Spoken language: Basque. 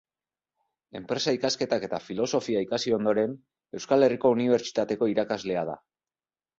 Enpresa-ikasketak eta filosofia ikasi ondoren, Euskal Herriko Unibertsitateko irakaslea da.